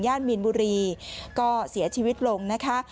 มีนบุรีก็เสียชีวิตลงนะคะ